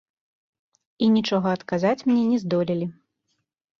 І нічога адказаць мне не здолелі.